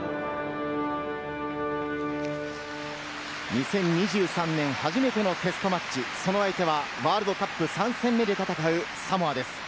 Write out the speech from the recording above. ２０２３年初めてのテストマッチ、その相手は、ワールドカップ３戦目で戦うサモアです。